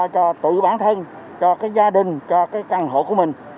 cho tự bản thân cho cái gia đình cho cái căn hộ của mình